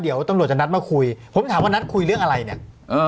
เดี๋ยวตำรวจจะนัดมาคุยผมถามว่านัดคุยเรื่องอะไรเนี่ยเออ